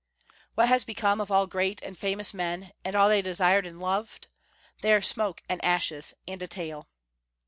"What has become of all great and famous men, and all they desired and loved? They are smoke and ashes, and a tale."